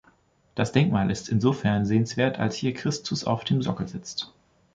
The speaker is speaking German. Das Denkmal ist insofern sehenswert, als hier Christus auf dem Sockel sitzt.